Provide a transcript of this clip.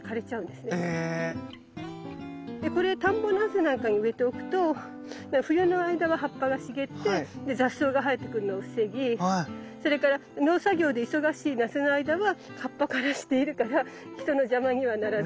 でこれ田んぼのあぜなんかに植えておくと冬の間は葉っぱが茂って雑草が生えてくるのを防ぎそれから農作業で忙しい夏の間は葉っぱ枯らしているから人の邪魔にはならず。